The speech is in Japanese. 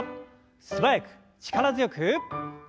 素早く力強く。